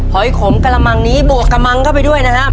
อยขมกระมังนี้บวกกระมังเข้าไปด้วยนะครับ